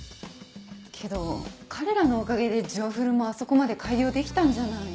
けど彼らのおかげで「ジュワフル」もあそこまで改良できたんじゃない。